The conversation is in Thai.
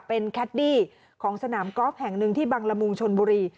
เป็นแคดดี้ของสนามกอล์ฟแห่งหนึ่งที่บังละมุงชนบุรี